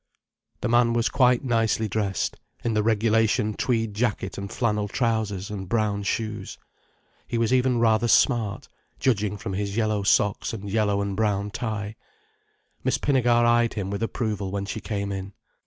The man was quite nicely dressed, in the regulation tweed jacket and flannel trousers and brown shoes. He was even rather smart, judging from his yellow socks and yellow and brown tie. Miss Pinnegar eyed him with approval when she came in.